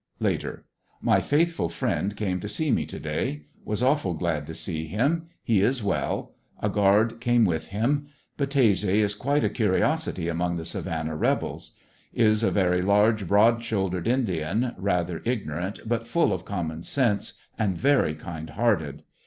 Later— My faithful friend came to see me to day. Was awful glad to see him. He is well. A guard came with him. Battese is quite a curiosity among the Savannah rebels Is a very large, broad shouldered Indian, rather ignorant, but full of common sense and very kind hearted.